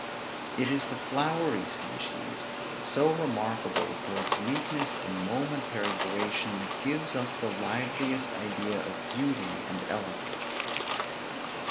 It is the flowery species, so remarkable for its weakness and momentary duration, that gives us the liveliest idea of beauty and elegance.